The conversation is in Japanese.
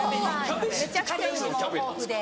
めちゃくちゃいいです。